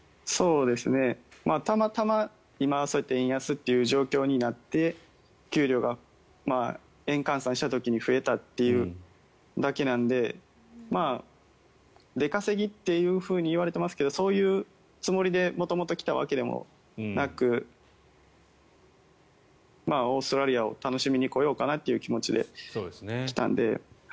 たまたま今、そうやって円安という状況になって給料が円換算した時に増えたというだけなので出稼ぎというふうにいわれてますけどそういうつもりで元々来たわけでもなくオーストラリアを楽しみにこようかなという気持ちで来たので。